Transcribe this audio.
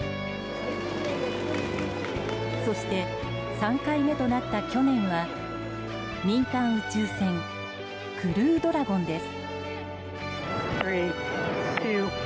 そして、３回目となった去年は民間宇宙船「クルードラゴン」です。